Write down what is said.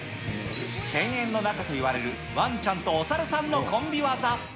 犬猿の仲といわれるワンちゃんとお猿さんのコンビ技。